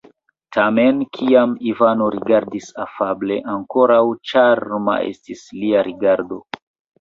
Tamen, kiam Ivano rigardis afable, ankoraŭ ĉarma estis lia rigardo.